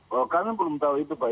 bahwa kami belum tahu itu pak